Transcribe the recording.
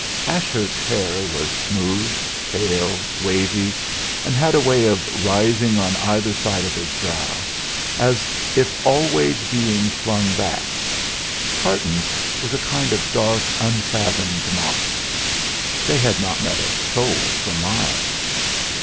Ashurst's hair was smooth, pale, wavy, and had a way of rising on either side of his brow, as if always being flung back; Carton's was a kind of dark unfathomed mop. They had not met a soul for miles.